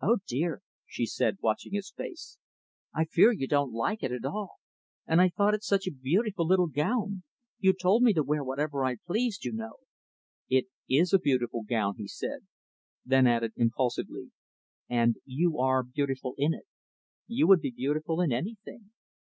"Oh dear!" she said, watching his face, "I fear you don't like it, at all and I thought it such a beautiful little gown. You told me to wear whatever I pleased, you know." "It is a beautiful gown," he said then added impulsively, "and you are beautiful in it. You would be beautiful in anything."